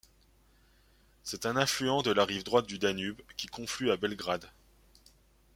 C'est un affluent de la rive droite du Danube, qui conflue à Belgrade.